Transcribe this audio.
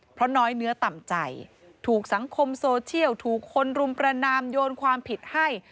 เพราะน้อยเนื้อต่ำใจถูกสังคมโซเชียลถูกคนรุมประนามโยนความผิดให้